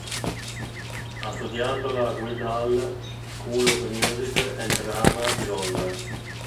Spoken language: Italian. Ha studiato alla Guildhall School of Music and Drama di Londra.